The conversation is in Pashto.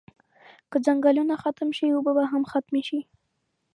که ځنګلونه ختم شی اوبه به هم ختمی شی